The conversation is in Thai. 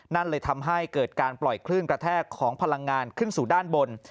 นั่นเลยทำให้เกิดการปล่อยคลื่นกระแทกของพลังงานขึ้นสู่ด้านบน